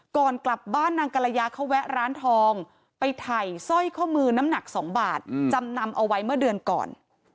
ก่อนกลับบ้านนางกรยาเขาแวะร้านทองไปถ่ายสร้อยข้อมือน้ำหนัก๒บาทจำนำเอาไว้เมื่อเดือนก่อน